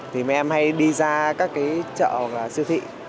thì mấy em hay đi ra các cái chợ siêu thị